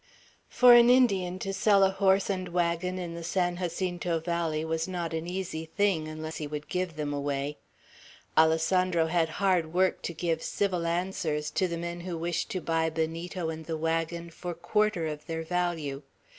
For an Indian to sell a horse and wagon in the San Jacinto valley was not an easy thing, unless he would give them away. Alessandro had hard work to give civil answers to the men who wished to buy Benito and the wagon for quarter of their value.